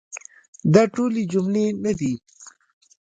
دا ټولي جملې نه دي .